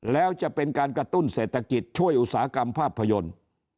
แล้วจะเป็นการกระตุ้นเศรษฐกิจช่วยอุตสาหกรรมภาพยนตร์